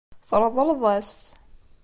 Tṛeḍleḍ-as-t.